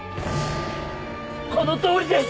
このとおりです！